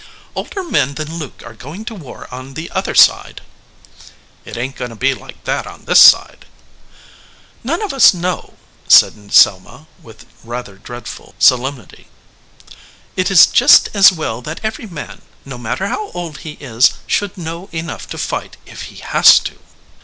"Older men than Luke are going to war on the other side." "It ain t going to be like that on this side." "None of us know said Selma, with rather dreadful solemnity. "It is just as well that every man, no matter how old he is, should know enough to fight if he has to."